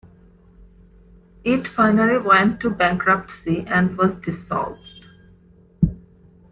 It finally went to bankruptcy and was dissolved.